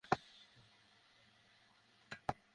Hugh আমাকে মাত্রই phone দিয়েছিল।